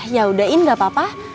ya udah in gapapa